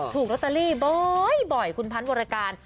ถูกเบอร์บอสตารี้บ่อยคุณพันธ์วรการ